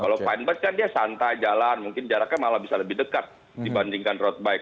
kalau fine bis kan dia santai jalan mungkin jaraknya malah bisa lebih dekat dibandingkan road bike